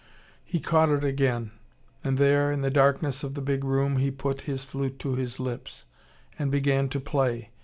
He caught it again. And there, in the darkness of the big room, he put his flute to his lips, and began to play.